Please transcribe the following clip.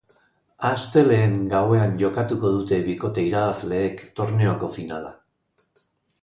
Astelehen gauean jokatuko dute bikote irabazleek torneoko finala.